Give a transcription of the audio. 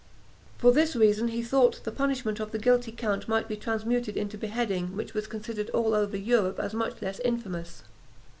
For this reason, he thought the punishment of the guilty count might be transmuted into beheading, which was considered all over Europe as much less infamous.